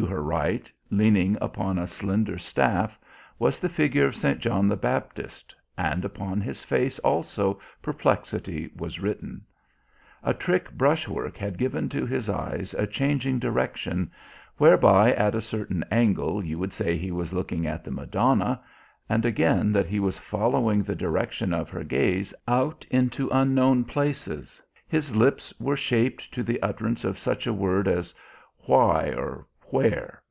To her right, leaning upon a slender staff, was the figure of St. John the Baptist, and upon his face also perplexity was written. A trick brushwork had given to his eyes a changing direction whereby at a certain angle you would say he was looking at the Madonna, and again that he was following the direction of her gaze out into unknown places. His lips were shaped to the utterance of such a word as "why" or "where."